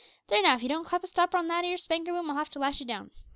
There now, if you don't clap a stopper on that ere spanker boom, I'll have to lash it down.